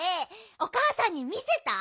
おかあさんにみせた？